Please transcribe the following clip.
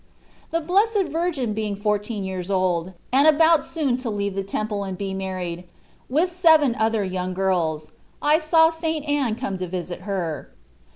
The Blessed Virgin being fourteen years old, and about soon to leave the Temple and be married, with seven other young girls, I saw St. Anne come to visit her.